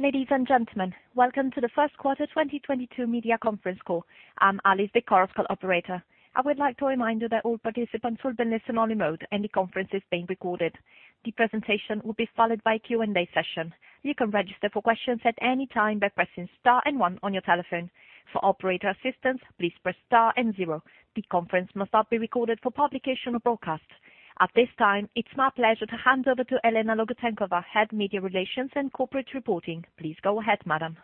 Ladies and gentlemen, welcome to the first quarter 2022 media conference call. I'm Alice, the corporate operator. I would like to remind you that all participants will be listen-only mode and the conference is being recorded. The presentation will be followed by a Q&A session. You can register for questions at any time by pressing star and one on your telephone. For operator assistance, please press star and zero. The conference must not be recorded for publication or broadcast. At this time, it's my pleasure to hand over to Elena Logutenkova, Head, Media Relations and Corporate Reporting. Please go ahead, madam.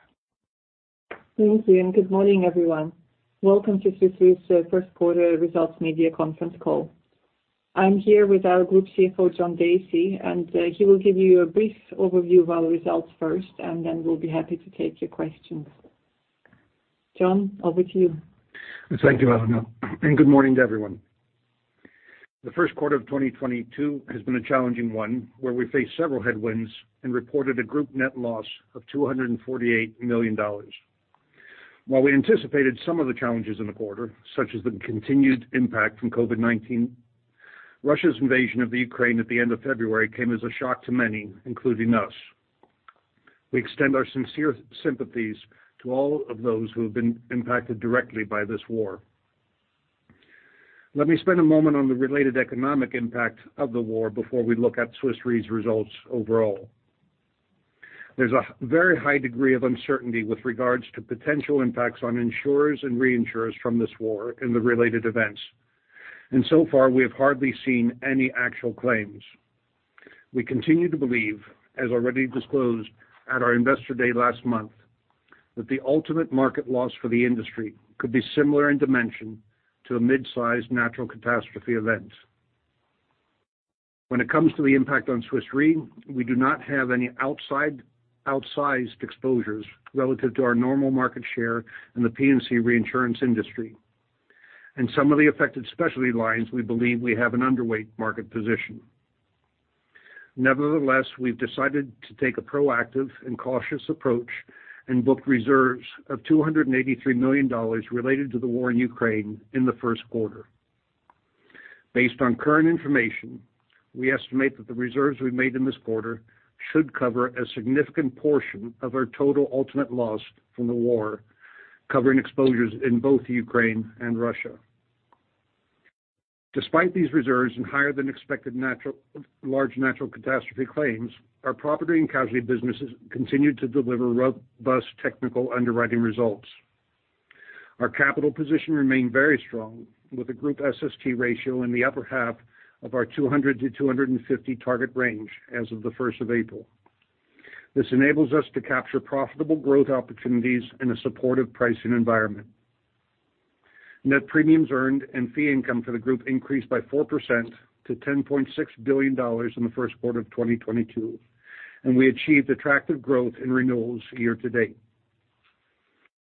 Thank you, and good morning, everyone. Welcome to Swiss Re's First Quarter Results media conference call. I'm here with our Group CFO, John Dacey, and he will give you a brief overview of our results first, and then we'll be happy to take your questions. John, over to you. Thank you, Elena, and good morning to everyone. The first quarter of 2022 has been a challenging one, where we faced several headwinds and reported a group net loss of $248 million. While we anticipated some of the challenges in the quarter, such as the continued impact from COVID-19, Russia's invasion of the Ukraine at the end of February came as a shock to many, including us. We extend our sincere sympathies to all of those who have been impacted directly by this war. Let me spend a moment on the related economic impact of the war before we look at Swiss Re's results overall. There's a very high degree of uncertainty with regards to potential impacts on insurers and reinsurers from this war and the related events. So far, we have hardly seen any actual claims. We continue to believe, as already disclosed at our Investors' Day last month, that the ultimate market loss for the industry could be similar in dimension to a mid-size natural catastrophe event. When it comes to the impact on Swiss Re, we do not have any outsized exposures relative to our normal market share in the P&C reinsurance industry. In some of the affected specialty lines, we believe we have an underweight market position. Nevertheless, we've decided to take a proactive and cautious approach and book reserves of $283 million related to the war in Ukraine in the first quarter. Based on current information, we estimate that the reserves we've made in this quarter should cover a significant portion of our total ultimate loss from the war, covering exposures in both Ukraine and Russia. Despite these reserves and higher than expected large natural catastrophe claims, our property and casualty businesses continued to deliver robust technical underwriting results. Our capital position remained very strong, with a group SST ratio in the upper half of our 200-250 target range as of the first of April. This enables us to capture profitable growth opportunities in a supportive pricing environment. Net premiums earned and fee income for the group increased by 4% to $10.6 billion in the first quarter of 2022, and we achieved attractive growth in renewals year to date.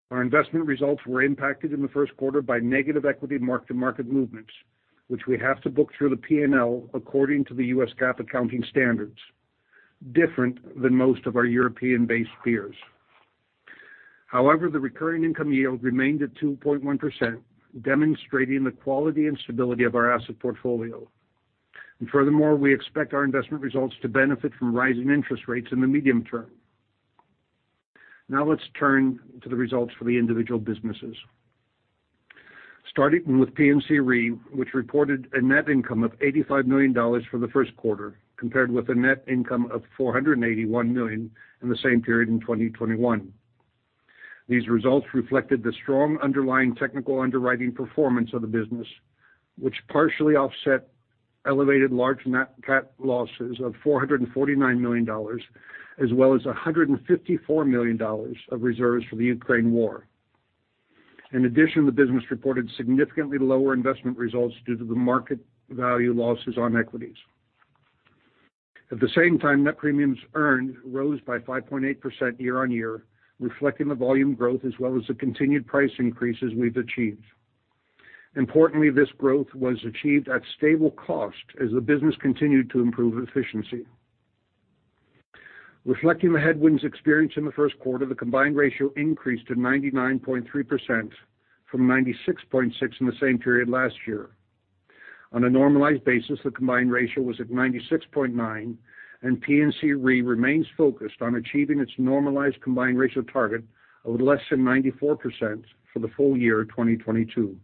Our investment results were impacted in the first quarter by negative equity mark-to-market movements, which we have to book through the P&L according to the US GAAP accounting standards, different than most of our European-based peers. However, the recurring income yield remained at 2.1%, demonstrating the quality and stability of our asset portfolio. Furthermore, we expect our investment results to benefit from rising interest rates in the medium term. Now let's turn to the results for the individual businesses. Starting with P&C Re, which reported a net income of $85 million for the first quarter, compared with a net income of $481 million in the same period in 2021. These results reflected the strong underlying technical underwriting performance of the business, which partially offset elevated large Nat Cat losses of $449 million, as well as $154 million of reserves for the Ukraine war. In addition, the business reported significantly lower investment results due to the market value losses on equities. At the same time, net premiums earned rose by 5.8% year-on-year, reflecting the volume growth as well as the continued price increases we've achieved. Importantly, this growth was achieved at stable cost as the business continued to improve efficiency. Reflecting the headwinds experienced in the first quarter, the combined ratio increased to 99.3% from 96.6% in the same period last year. On a normalized basis, the combined ratio was at 96.9%, and P&C Re remains focused on achieving its normalized combined ratio target of less than 94% for the full year 2022.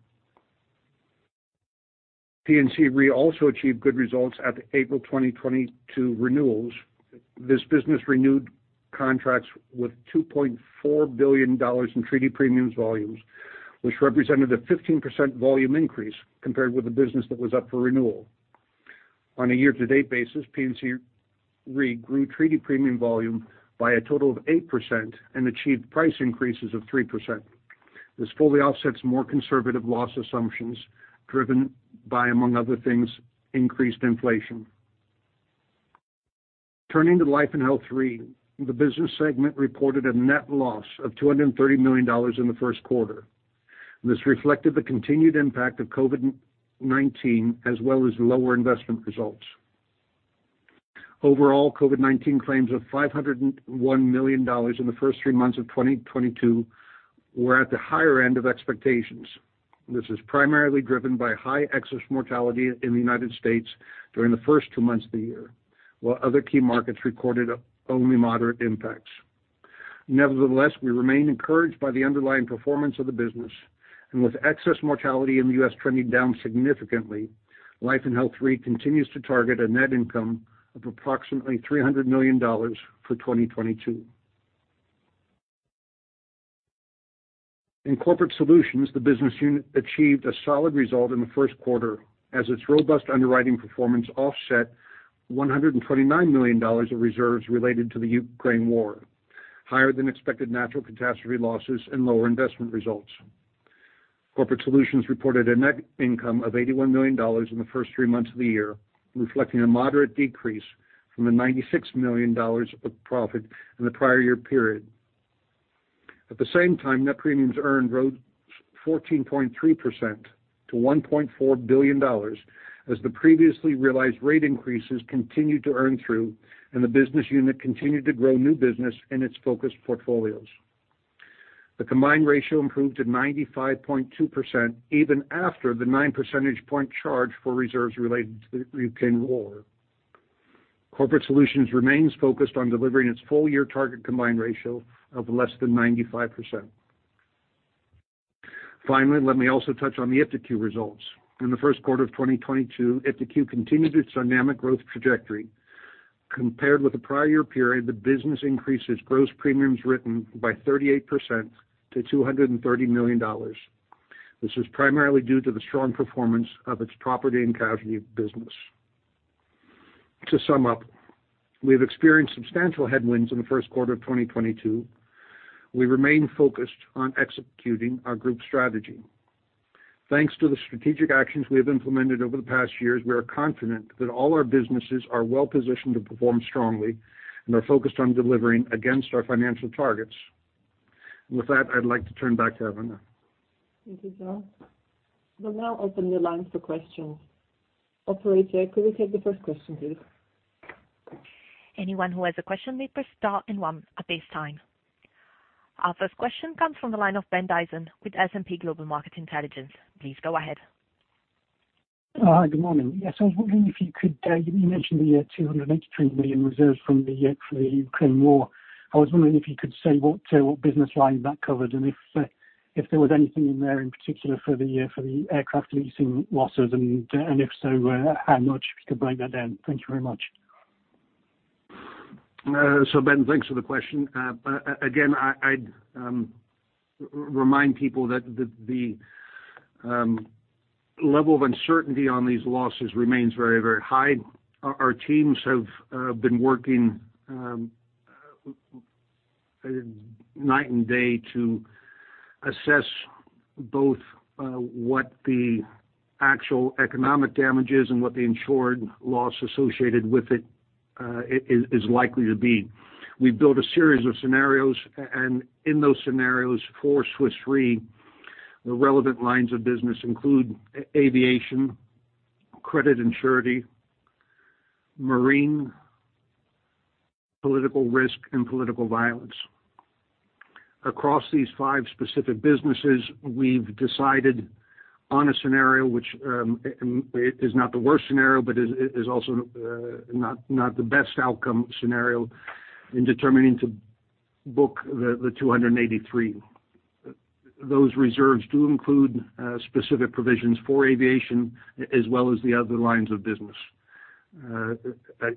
P&C Re also achieved good results at the April 2022 renewals. This business renewed contracts with $2.4 billion in treaty premiums volumes, which represented a 15% volume increase compared with the business that was up for renewal. On a year-to-date basis, P&C Re grew treaty premium volume by a total of 8% and achieved price increases of 3%. This fully offsets more conservative loss assumptions driven by, among other things, increased inflation. Turning to Life & Health Re, the business segment reported a net loss of $230 million in the first quarter. This reflected the continued impact of COVID-19 as well as lower investment results. Overall, COVID-19 claims of $501 million in the first three months of 2022 were at the higher end of expectations. This is primarily driven by high excess mortality in the United States during the first two months of the year. While other key markets recorded only moderate impacts. Nevertheless, we remain encouraged by the underlying performance of the business. With excess mortality in the U.S. trending down significantly, Life and Health Re continues to target a net income of approximately $300 million for 2022. In Corporate Solutions, the business unit achieved a solid result in the first quarter as its robust underwriting performance offset $129 million of reserves related to the Ukraine war, higher than expected natural catastrophe losses and lower investment results. Corporate Solutions reported a net income of $81 million in the first three months of the year, reflecting a moderate decrease from the $96 million of profit in the prior year period. At the same time, net premiums earned rose 14.3% to $1.4 billion as the previously realized rate increases continued to earn through, and the business unit continued to grow new business in its focused portfolios. The combined ratio improved to 95.2% even after the 9 percentage point charge for reserves related to the Ukraine war. Corporate Solutions remains focused on delivering its full year target combined ratio of less than 95%. Finally, let me also touch on the iptiQ results. In the first quarter of 2022, iptiQ continued its dynamic growth trajectory. Compared with the prior year period, the business increased its gross premiums written by 38% to $230 million. This is primarily due to the strong performance of its property and casualty business. To sum up, we have experienced substantial headwinds in the first quarter of 2022. We remain focused on executing our group strategy. Thanks to the strategic actions we have implemented over the past years, we are confident that all our businesses are well positioned to perform strongly and are focused on delivering against our financial targets. With that, I'd like to turn back to Elena. Thank you, Joe. We'll now open the line for questions. Operator, could we take the first question, please? Anyone who has a question may press star and one at this time. Our first question comes from the line of Ben Dyson with S&P Global Market Intelligence. Please go ahead. Hi, good morning. Yes, I was wondering if you could, you mentioned the $283 million reserves from the Ukraine war. I was wondering if you could say what business line that covered, and if there was anything in there in particular for the aircraft leasing losses? And if so, how much, if you could break that down? Thank you very much. Ben, thanks for the question. Again, I'd remind people that the level of uncertainty on these losses remains very, very high. Our teams have been working night and day to assess both what the actual economic damage is and what the insured loss associated with it is likely to be. We've built a series of scenarios, and in those scenarios, for Swiss Re, the relevant lines of business include aviation, Credit and Surety, marine, Political Risk and Political Violence. Across these five specific businesses, we've decided on a scenario which is not the worst scenario, but is also not the best outcome scenario in determining to book the $283 million. Those reserves do include specific provisions for aviation as well as the other lines of business.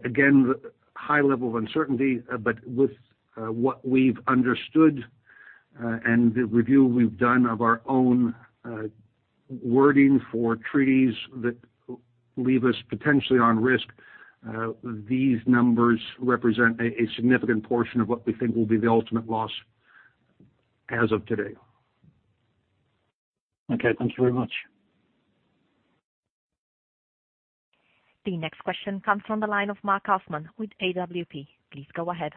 Again, high level of uncertainty, but with what we've understood and the review we've done of our own wording for treaties that leave us potentially on risk, these numbers represent a significant portion of what we think will be the ultimate loss as of today. Okay, thank you very much. The next question comes from the line of Markus Schmitt with AWP. Please go ahead.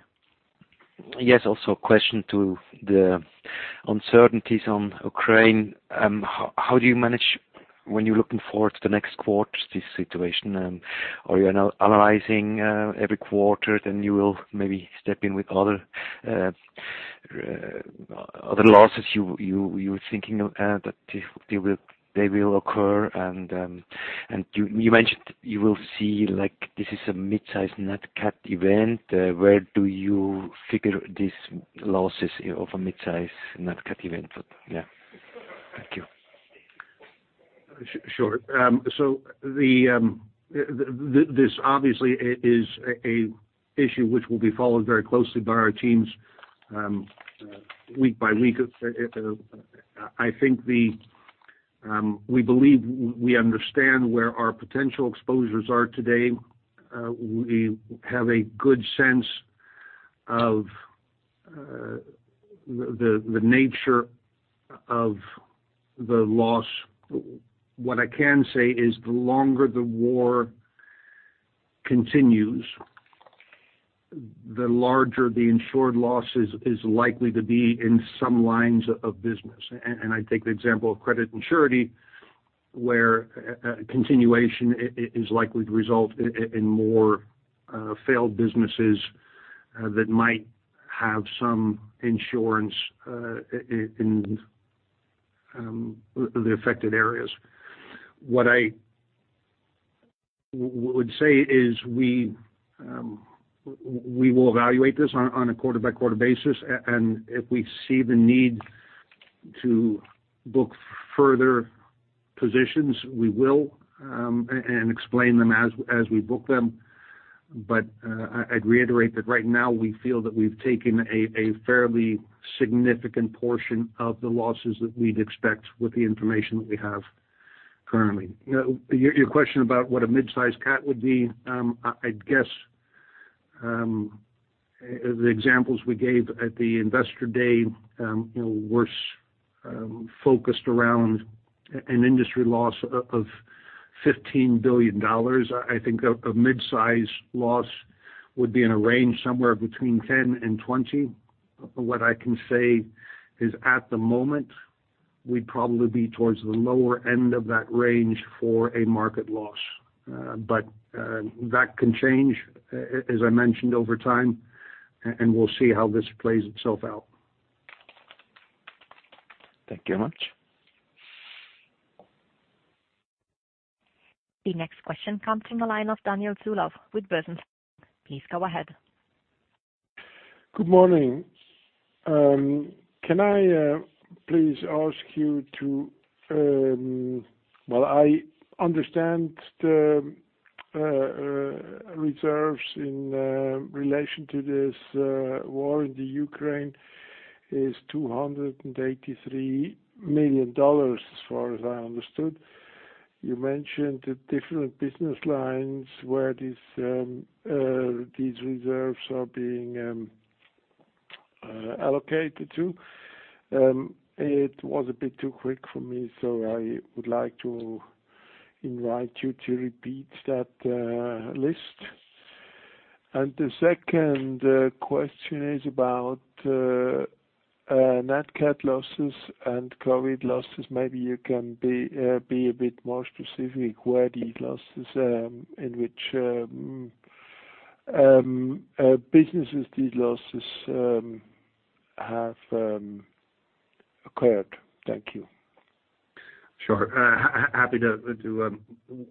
Yes, also a question to the uncertainties on Ukraine. How do you manage when you're looking forward to the next quarter, this situation? Are you analyzing every quarter, then you will maybe step in with other losses you're thinking of that they will occur? You mentioned you will see like this is a midsize Nat Cat event. Where do you figure these losses of a midsize Nat Cat event? Yeah. Thank you. Sure. This obviously is an issue which will be followed very closely by our teams, week by week. I think we believe we understand where our potential exposures are today. We have a good sense of the nature of the loss. What I can say is the longer the war continues, the larger the insured losses is likely to be in some lines of business. I take the example of Credit and Surety where a continuation is likely to result in more failed businesses that might have some insurance in the affected areas. What I would say is we will evaluate this on a quarter-by-quarter basis, and if we see the need to book further positions, we will and explain them as we book them. I'd reiterate that right now we feel that we've taken a fairly significant portion of the losses that we'd expect with the information that we have currently. Your question about what a mid-size cat would be, I guess, the examples we gave at the Investors' Day, you know, were focused around an industry loss of $15 billion. I think a mid-size loss would be in a range somewhere between $10 billion and $20 billion. What I can say is, at the moment, we'd probably be towards the lower end of that range for a market loss. That can change, as I mentioned, over time, and we'll see how this plays itself out. Thank you very much. The next question comes from the line of Daniel Zulauf with Börsen. Please go ahead. Good morning. Can I please ask you to well, I understand the reserves in relation to this war in the Ukraine is $283 million, as far as I understood. You mentioned the different business lines where these reserves are being allocated to. It was a bit too quick for me, so I would like to invite you to repeat that list. The second question is about Nat Cat losses and COVID losses. Maybe you can be a bit more specific where these losses in which businesses have occurred? Thank you. Sure. Happy to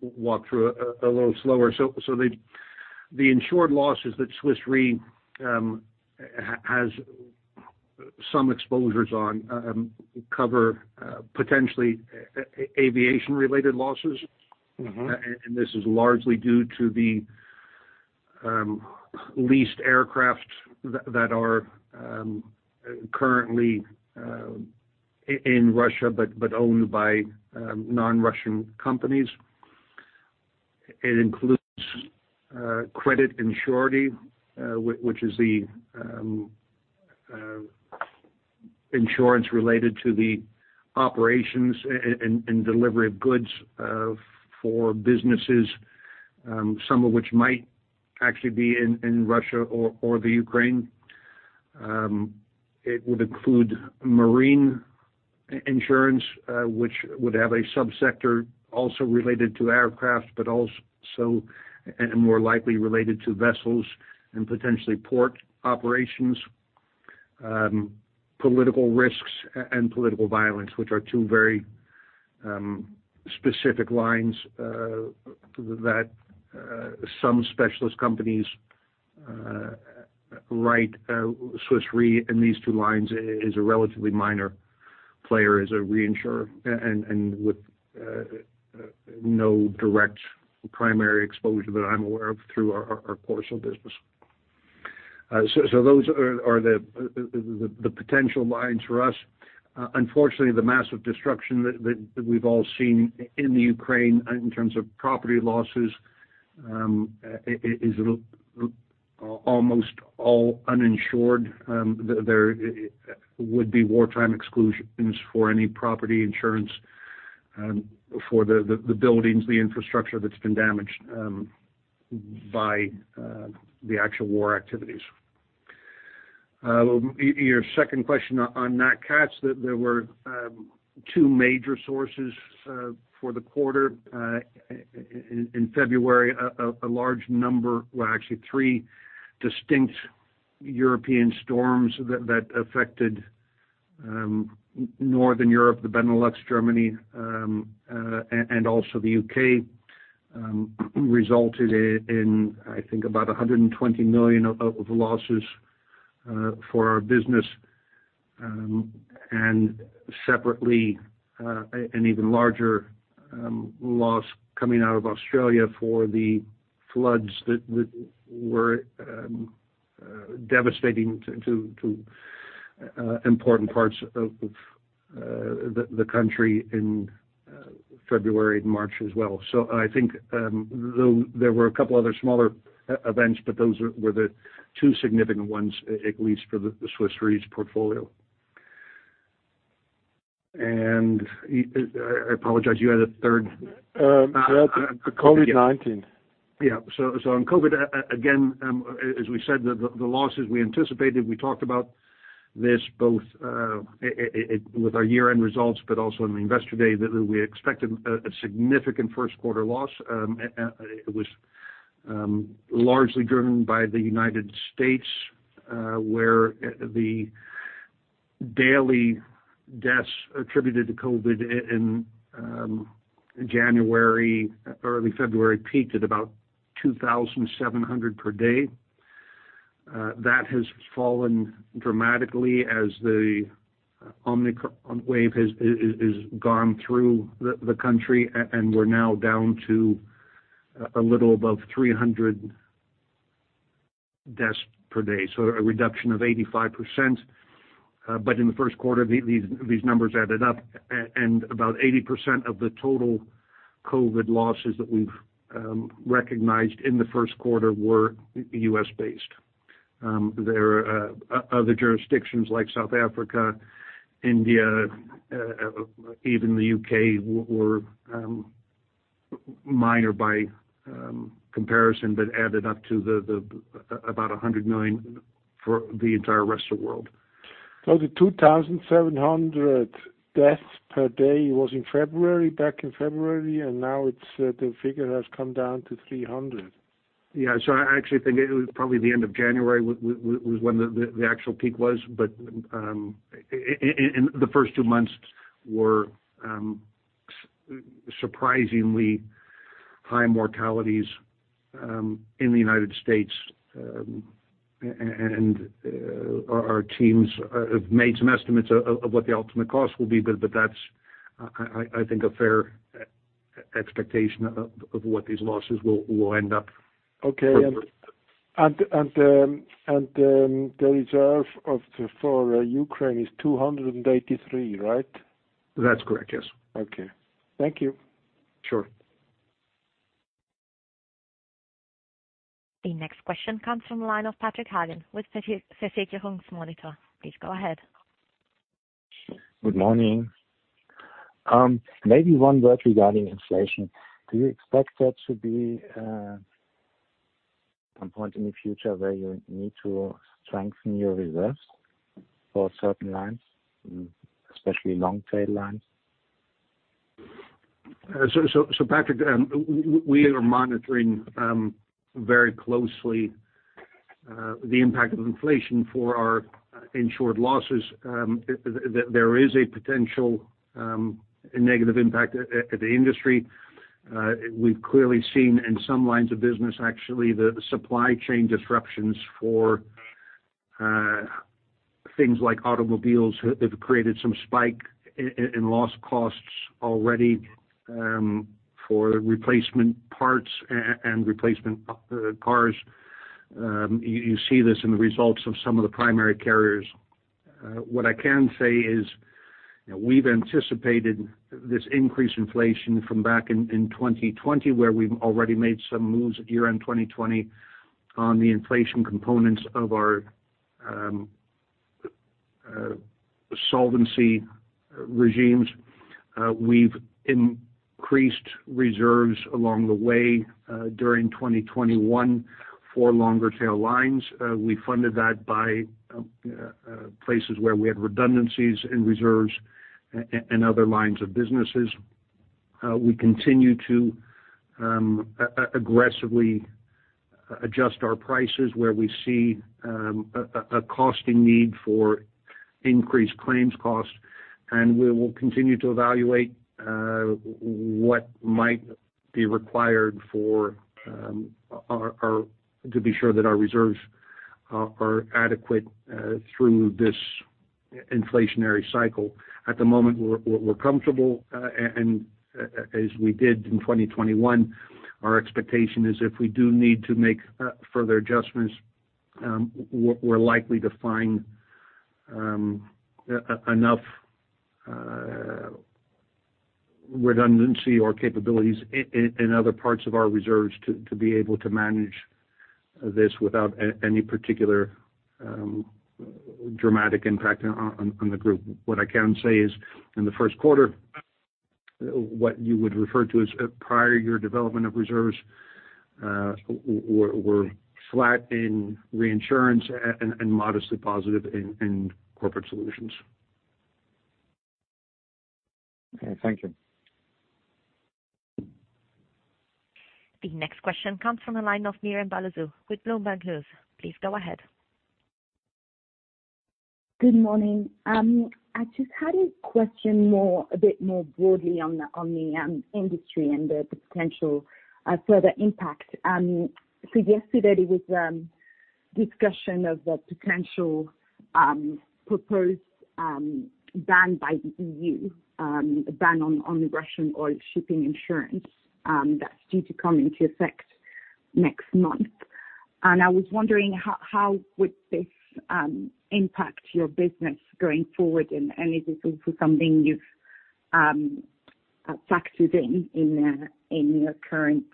walk through a little slower. The insured losses that Swiss Re has some exposures on cover potentially aviation related losses. Mm-hmm. This is largely due to the leased aircraft that are currently in Russia, but owned by non-Russian companies. It includes Credit and Surety, which is the insurance related to the operations and delivery of goods for businesses, some of which might actually be in Russia or Ukraine. It would include marine insurance, which would have a subsector also related to aircraft, but also and more likely related to vessels and potentially port operations. Political risks and political violence, which are two very specific lines that some specialist companies write. Swiss Re in these two lines is a relatively minor player as a reinsurer and with no direct primary exposure that I'm aware of through our portfolio business. Those are the potential lines for us. Unfortunately, the massive destruction that we've all seen in Ukraine in terms of property losses is almost all uninsured. There would be wartime exclusions for any property insurance for the buildings, the infrastructure that's been damaged by the actual war activities. Your second question on Nat Cats, there were two major sources for the quarter. In February, a large number, well, actually three distinct European storms that affected Northern Europe, the Benelux, Germany, and also the U.K. resulted in I think about $120 million of losses for our business. Separately, an even larger loss coming out of Australia for the floods that were devastating to important parts of the country in February and March as well. I think there were a couple other smaller events, but those were the two significant ones, at least for the Swiss Re's portfolio. I apologize, you had a third? The COVID-19. On COVID, again, as we said, the losses we anticipated. We talked about this both with our year-end results, but also in the Investors' Day, that we expected a significant first quarter loss. It was largely driven by the United States, where the daily deaths attributed to COVID in January, early February, peaked at about 2,700 per day. That has fallen dramatically as the Omicron wave has gone through the country. We're now down to a little above 300 deaths per day, so a reduction of 85%. In the first quarter, these numbers added up and about 80% of the total COVID losses that we've recognized in the first quarter were U.S.-based. There are other jurisdictions like South Africa, India, even the U.K. were minor by comparison, but added up to about $100 million for the entire rest of world. The 2,700 deaths per day was in February, back in February, and now it's the figure has come down to 300. I actually think it was probably the end of January was when the actual peak was. In the first two months were surprisingly high mortalities in the United States. Our teams have made some estimates of what the ultimate cost will be, but that's I think a fair expectation of what these losses will end up. The reserve for Ukraine is $283 million, right? That's correct, yes. Okay. Thank you. Sure. The next question comes from the line of Patrick Hagen with Versicherungsmonitor. Please go ahead. Good morning. Maybe one word regarding inflation. Do you expect there to be some point in the future where you need to strengthen your reserves for certain lines, especially long tail lines? Patrick, we are monitoring very closely the impact of inflation for our insured losses. There is a potential negative impact at the industry. We've clearly seen in some lines of business, actually, the supply chain disruptions for things like automobiles have created some spike in loss costs already for replacement parts and replacement cars. You see this in the results of some of the primary carriers. What I can say is, we've anticipated this increased inflation from back in 2020, where we've already made some moves at year-end 2020 on the inflation components of our solvency regimes. We've increased reserves along the way during 2021 for longer tail lines. We funded that by places where we had redundancies in reserves in other lines of businesses. We continue to aggressively adjust our prices where we see an increasing need for increased claims costs, and we will continue to evaluate what might be required to be sure that our reserves are adequate through this inflationary cycle. At the moment, we're comfortable. As we did in 2021, our expectation is if we do need to make further adjustments, we're likely to find enough redundancy or capabilities in other parts of our reserves to be able to manage this without any particular dramatic impact on the group. What I can say is in the first quarter, what you would refer to as prior year development of reserves, were flat in reinsurance and modestly positive in Corporate Solutions. Okay. Thank you. The next question comes from the line of Myriam Balezou with Bloomberg News. Please go ahead. Good morning. I just had a question a bit more broadly on the industry and the potential further impact. Yesterday there was discussion of the potential proposed ban by the EU, a ban on the Russian oil shipping insurance that's due to come into effect next month. I was wondering how would this impact your business going forward, and is this also something you've factored in your current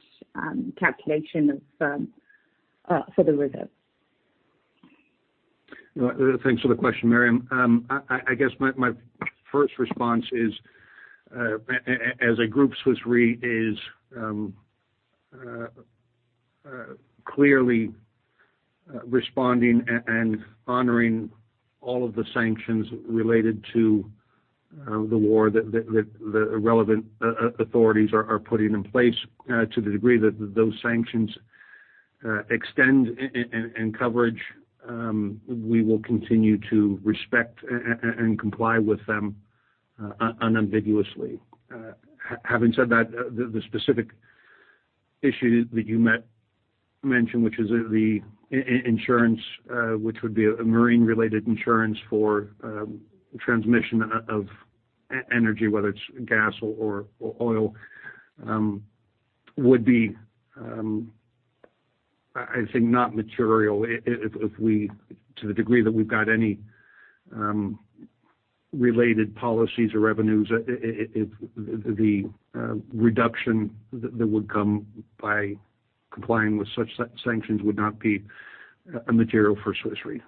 calculation for the reserve? Thanks for the question, Myriam. I guess my first response is, as a group, Swiss Re is clearly responding and honoring all of the sanctions related to the war that the relevant authorities are putting in place, to the degree that those sanctions extend and coverage, we will continue to respect and comply with them, unambiguously. Having said that, the specific issue that you mentioned, which is the insurance, which would be a marine related insurance for transmission of energy, whether it's gas or oil, would be, I'd say not material to the degree that we've got any related policies or revenues, the reduction that would come by complying with such sanctions would not be material for Swiss Re.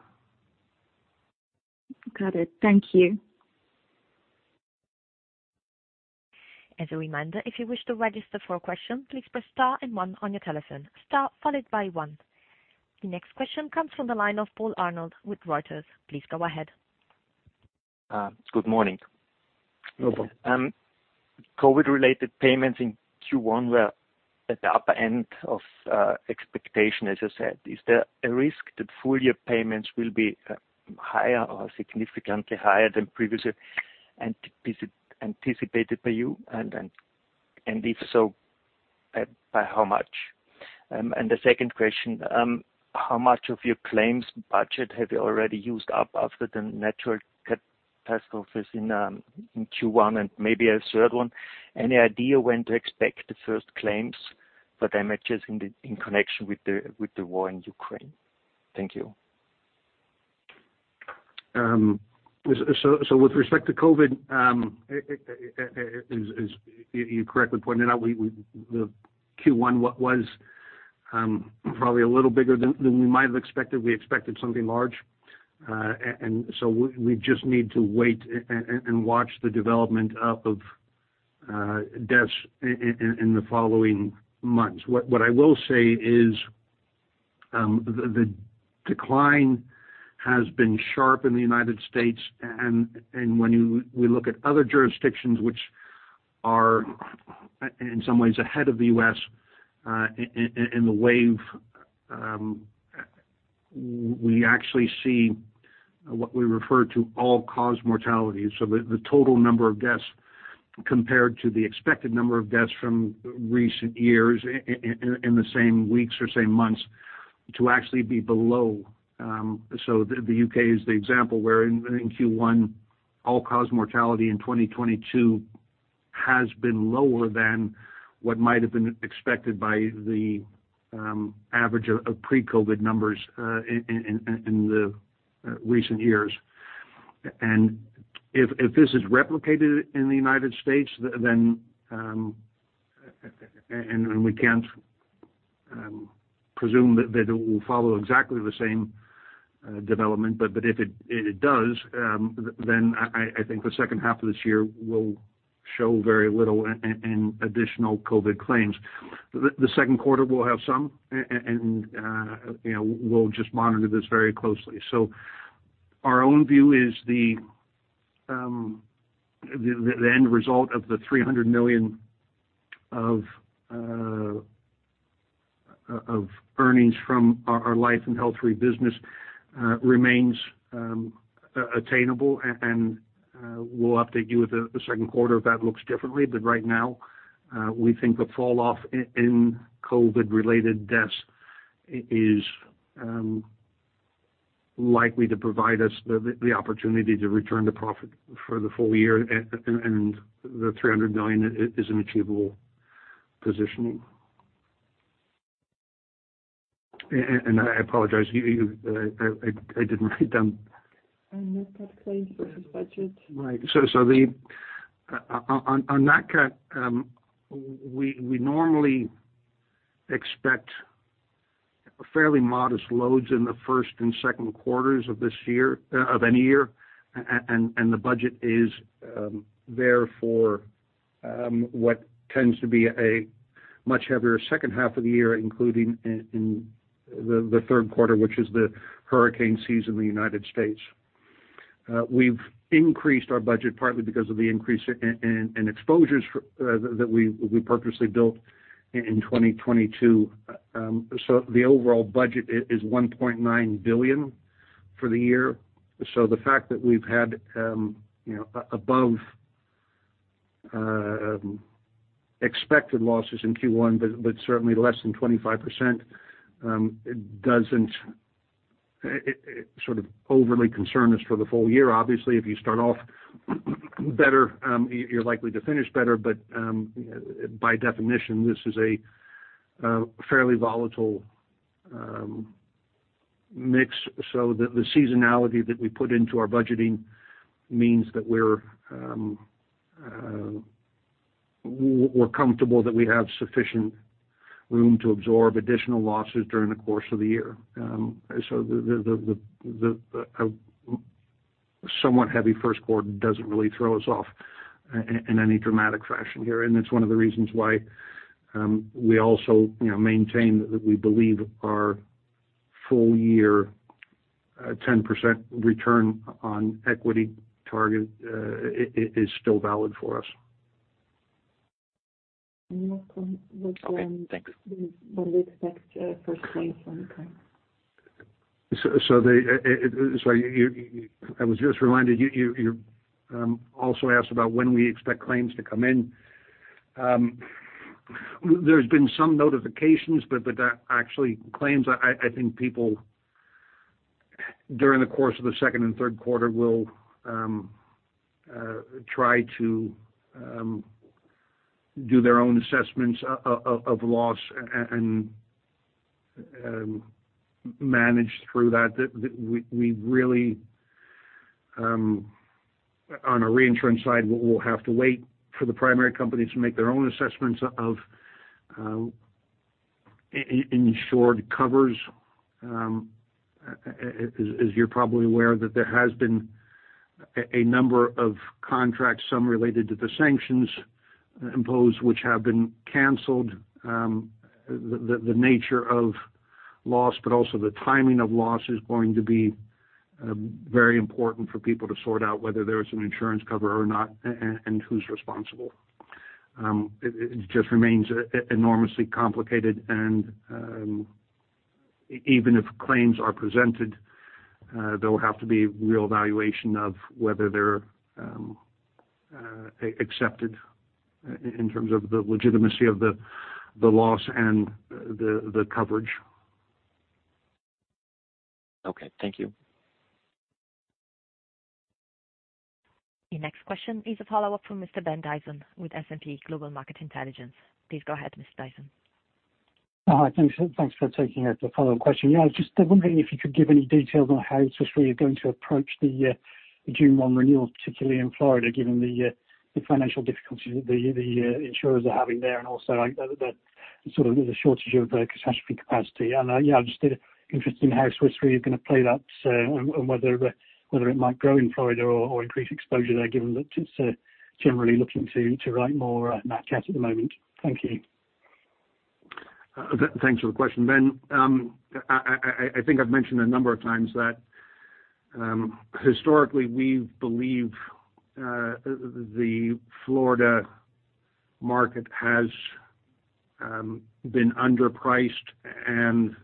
Got it. Thank you. As a reminder, if you wish to register for a question, please press star and one on your telephone, star followed by one. The next question comes from the line of Paul Arnold with Reuters. Please go ahead. Good morning. Good morning. COVID related payments in Q1 were at the upper end of expectation, as you said. Is there a risk that full year payments will be higher or significantly higher than previously anticipated by you? And if so, by how much? How much of your claims budget have you already used up after the natural catastrophe in Q1 and maybe a third one? Any idea when to expect the first claims for damages in connection with the war in Ukraine? Thank you. With respect to COVID, as you correctly pointed out, the Q1 was probably a little bigger than we might have expected. We expected something large. We just need to wait and watch the development of deaths in the following months. What I will say is, the decline has been sharp in the United States. When we look at other jurisdictions which are in some ways ahead of the U.S., in the wave, we actually see what we refer to as all-cause mortality. The total number of deaths compared to the expected number of deaths from recent years in the same weeks or same months is actually below. The U.K. is the example where in Q1, all-cause mortality in 2022 has been lower than what might have been expected by the average of pre-COVID numbers in the recent years. If this is replicated in the United States, then and we can't presume that it will follow exactly the same development. If it does, then I think the second half of this year will show very little additional COVID claims. The second quarter will have some, and you know, we'll just monitor this very closely. Our own view is the end result of the $300 million of earnings from our Life and Health Re business remains attainable. We'll update you with the second quarter if that looks differently. Right now, we think the fall off in COVID-related deaths is likely to provide us the opportunity to return to profit for the full year. $300 million is an achievable positioning. I apologize. I didn't read them. The Nat Cat claims versus budget. On that cat, we normally expect fairly modest loads in the first and second quarters of this year, of any year. The budget is there for what tends to be a much heavier second half of the year, including in the third quarter, which is the hurricane season in the United States. We've increased our budget partly because of the increase in exposures that we purposely built in 2022. The overall budget is $1.9 billion for the year. The fact that we've had, you know, above expected losses in Q1, but certainly less than 25%, doesn't sort of overly concern us for the full year. Obviously, if you start off better, you're likely to finish better. By definition, this is a fairly volatile mix. The seasonality that we put into our budgeting means that we're comfortable that we have sufficient room to absorb additional losses during the course of the year. The somewhat heavy first quarter doesn't really throw us off in any dramatic fashion here. It's one of the reasons why we also, you know, maintain that we believe our full year 10% return on equity target is still valid for us. Thanks. I was just reminded you also asked about when we expect claims to come in. There's been some notifications, but actually claims, I think people during the course of the second and third quarter will try to do their own assessments of loss and manage through that. We really, on a reinsurance side, we'll have to wait for the primary companies to make their own assessments of insurance covers. As you're probably aware that there has been a number of contracts, some related to the sanctions imposed, which have been canceled. The nature of loss, but also the timing of loss is going to be very important for people to sort out whether there is an insurance cover or not and who's responsible. It just remains enormously complicated. Even if claims are presented, there will have to be real evaluation of whether they're accepted in terms of the legitimacy of the loss and the coverage. Okay, thank you. Your next question is a follow-up from Mr. Ben Dyson with S&P Global Market Intelligence. Please go ahead, Mr. Dyson. Hi. Thanks for taking the follow-up question. Yeah, I was just wondering if you could give any details on how Swiss Re are going to approach the June 1 renewal, particularly in Florida, given the financial difficulties the insurers are having there and also the sort of shortage of the catastrophe capacity? Yeah, I'm just interested in how Swiss Re is going to play that and whether it might grow in Florida or increase exposure there, given that it's generally looking to write more Nat Cat at the moment. Thank you. Thanks for the question, Ben. I think I've mentioned a number of times that historically we've believed the Florida market has been underpriced and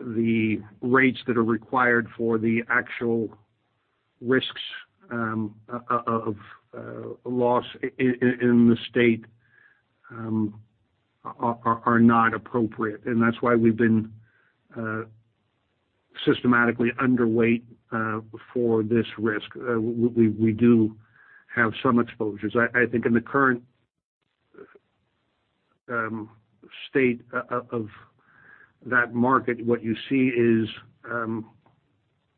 the rates that are required for the actual risks of loss in the state are not appropriate. That's why we've been systematically underweight for this risk. We do have some exposures. I think in the current state of that market, what you see is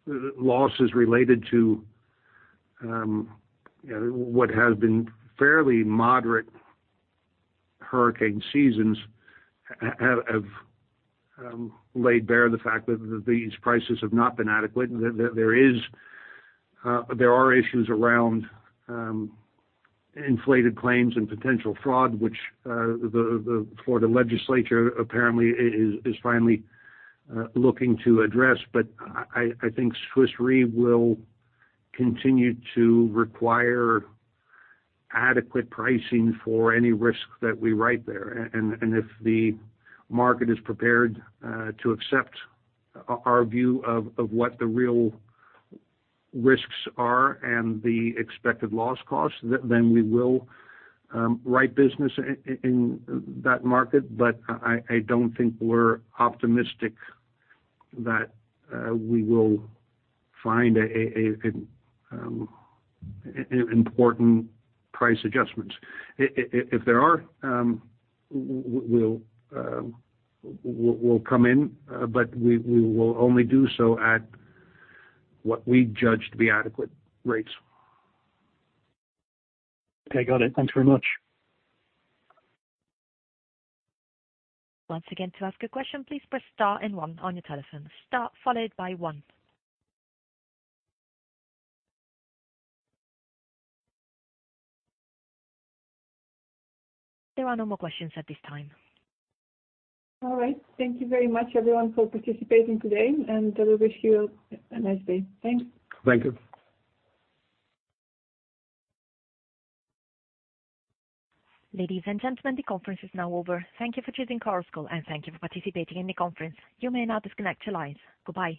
losses related to what has been fairly moderate hurricane seasons have laid bare the fact that these prices have not been adequate, and there are issues around inflated claims and potential fraud, which the Florida legislature apparently is finally looking to address. I think Swiss Re will continue to require adequate pricing for any risk that we write there. If the market is prepared to accept our view of what the real risks are and the expected loss cost, then we will write business in that market. I don't think we're optimistic that we will find important price adjustments. If there are, we'll come in, but we will only do so at what we judge to be adequate rates. Okay, got it. Thanks very much. Once again, to ask a question, please press star and one on your telephone, star followed by one. There are no more questions at this time. All right. Thank you very much, everyone, for participating today, and I wish you a nice day. Thanks. Thank you. Ladies and gentlemen, the conference is now over. Thank you for choosing Chorus Call, and thank you for participating in the conference. You may now disconnect your lines. Goodbye.